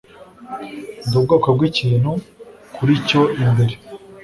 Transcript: Ndi ubwoko bwikintu kuri cyo imbere